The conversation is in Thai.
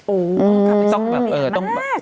อืมจะขึ้นใหญ่มาก